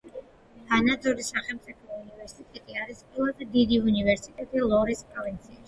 ვანაძორის სახელმწიფო უნივერსიტეტი არის ყველაზე დიდი უნივერსიტეტი ლორეს პროვინციაში.